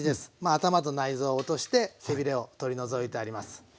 頭と内臓を落として背ビレを取り除いてあります。